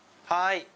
はい。